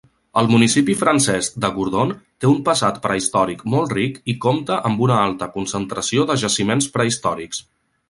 El municipi francès de Gourdon té un passat prehistòric molt ric i compta amb una alta concentració de jaciments prehistòrics.